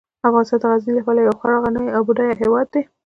افغانستان د غزني له پلوه یو خورا غني او بډایه هیواد دی.